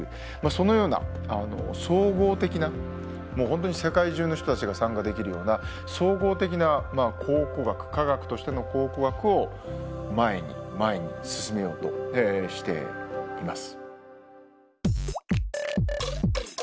そのような総合的な本当に世界中の人たちが参加できるような総合的な考古学科学としての考古学を前に前に進めようとしています。